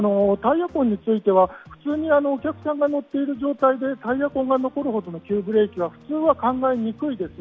普通にお客さんが乗っている状態でタイヤ痕が残るほどの急ブレーキは普通は考えにくいです。